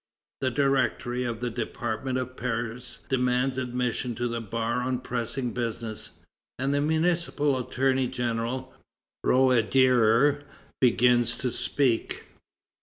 The Directory of the Department of Paris demands admission to the bar on pressing business, and the municipal attorney general, Roederer, begins to speak.